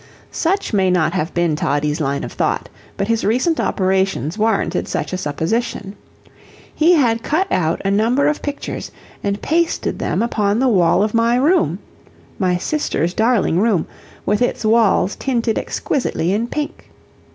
Such may not have been Toddie's line of thought, but his recent operations warranted such a supposition. He had cut out a number of pictures, and pasted them upon the wall of my room my sister's darling room, with its walls tinted exquisitely in pink.